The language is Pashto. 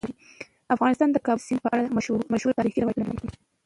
افغانستان د د کابل سیند په اړه مشهور تاریخی روایتونه لري.